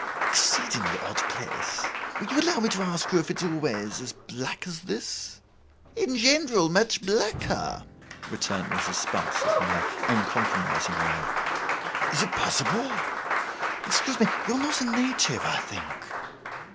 Exceedingly odd place. Will you allow me to ask you if it's always as black as this?' 'In general much blacker,' returned Mrs. Sparsit, in her uncompromising way. 'Is it possible! Excuse me: you are not a native, I think?